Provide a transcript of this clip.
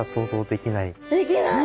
できない。